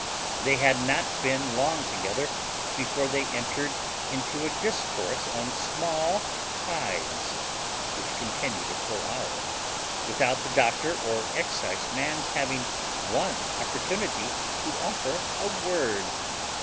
They had not been long together before they entered into a discourse on small tithes, which continued a full hour, without the doctor or exciseman's having one opportunity to offer a word.